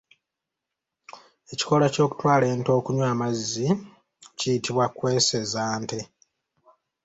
Ekikolwa ky’okutwala ente okunywa amazzi kiyitibwa kweseza nte.